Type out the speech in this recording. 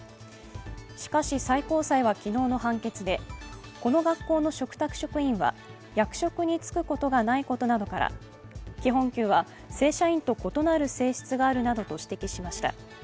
しかし、最高裁は昨日の判決でこの学校の嘱託職員は役職につくことがないことなどから基本給は正社員と異なる性質があるなどと指摘しました。